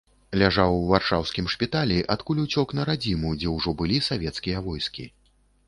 Ляжаў у варшаўскім шпіталі, адкуль уцёк на радзіму, дзе ўжо былі савецкія войскі.